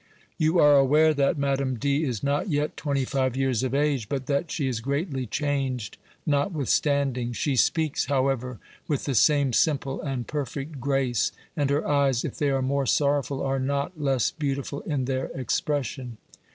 You are aware that Madame D. is not yet twenty five years of age, but that she is greatly changed notwithstanding ; she speaks, how ever, with the same simple and perfect grace, and her eyes, if they are more sorrowful, are not less beautiful in their expression.